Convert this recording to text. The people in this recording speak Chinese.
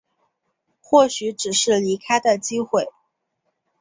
或许只是离开的机会